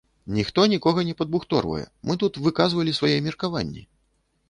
Ніхто нікога не падбухторвае, мы тут выказвалі свае меркаванні.